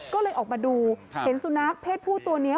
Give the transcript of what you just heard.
ก็เลยออกมาดูเห็นสุนัขเพศผู้ตัวนี้